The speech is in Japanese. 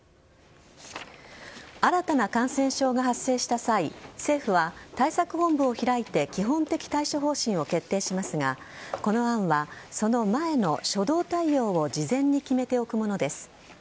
新たな感染症が発生した際政府は対策本部を開いて基本的対処方針を決定しますがこの案は、その前の初動対応を事前に決めておくものです。